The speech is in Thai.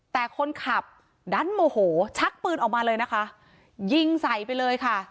แต่คนขับดันโมโหชักปืนออกมาเลยนะคะยิงใส่ไปเลยค่ะ